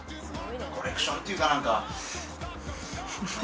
コレクションっていうか何か。